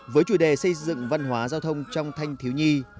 với chủ đề xây dựng văn hóa giao thông trong thanh thiếu nhi